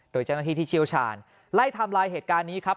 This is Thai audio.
โดยเจ้าหน้าที่ที่เชี่ยวชาญไล่ทำลายเหตุการณ์นี้ครับ